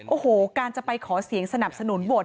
โอ้โหการจะไปขอเสียงสนับสนุนบท